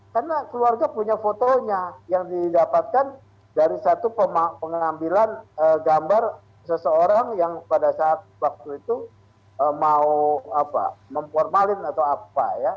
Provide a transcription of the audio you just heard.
karena keluarga punya fotonya yang didapatkan dari satu pengambilan gambar seseorang yang pada saat waktu itu mau memformalin atau apa ya